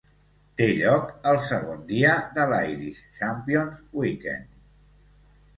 Té lloc el segon dia de l'Irish Champions Weekend.